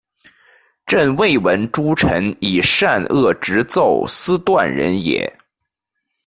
朕未闻诸臣以善恶直奏斯断人也！